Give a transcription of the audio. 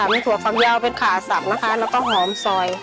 มีชั่วคำวี้เป็นขาศัพท์และก็หอมสอย